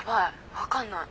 分かんない。